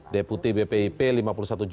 deputi bpip rp lima puluh satu